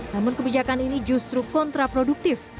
namun kebijakan ini justru kontraproduktif